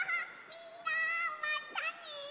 みんなまたね！